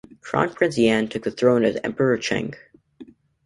Crown Prince Yan took the throne as Emperor Cheng.